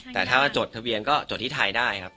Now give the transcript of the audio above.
แต่ถ้ามาจดทะเบียนก็จดที่ไทยได้ครับ